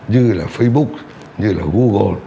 như là facebook như là google